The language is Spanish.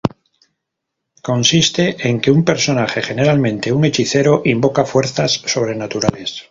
Consiste en que un personaje, generalmente un hechicero, invoca fuerzas sobrenaturales.